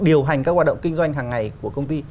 điều hành các hoạt động kinh doanh hàng ngày của công ty